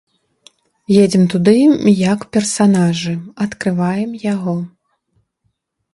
Едзем туды як персанажы, адкрываем яго.